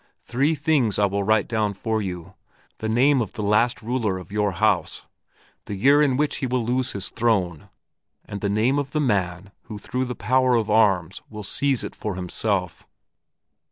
Three things I will write down for you the name of the last ruler of your house, the year in which he will lose his throne, and the name of the man who through the power of arms will seize it for himself.'